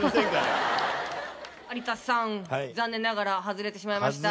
有田さん残念ながら外れてしまいました。